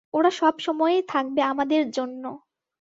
ওরা সবসময়েই থাকবে আমাদের জন্য।